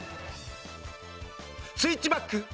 スイッチバック。